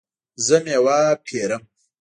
زه میوه پیرم